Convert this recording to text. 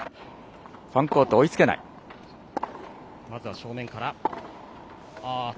まずは正面から。